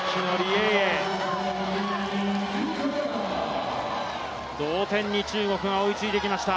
エイエイ、同点に中国が追いついてきました。